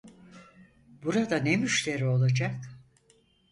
Burada ne müşteri olacak?